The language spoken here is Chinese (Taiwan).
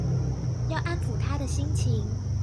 要安撫她的心情